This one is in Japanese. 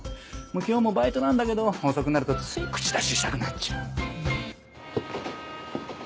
今日もバイトなんだけど遅くなるとつい口出ししたくなっちゃう。